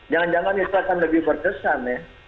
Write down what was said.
jangan jangan itu akan lebih berkesan ya